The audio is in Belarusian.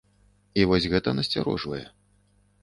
І вось гэта насцярожвае.